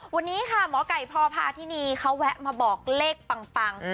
วันนี้ค่ะหมอไก่พพาธินีเขาแวะมาบอกเลขปัง